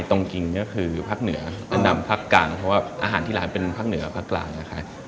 จริงก็คือภาคเหนือแนะนำภาคกลางเพราะว่าอาหารที่หลานเป็นภาคเหนือภาคกลางนะคะ